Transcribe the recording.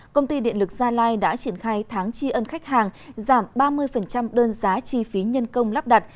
công ty điện lực gia lai đã triển khai tháng tri ân khách hàng giảm ba mươi đơn giá chi phí nhân công lắp đặt